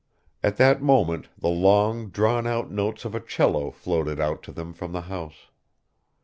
At that moment the long drawn out notes of a cello floated out to them from the house.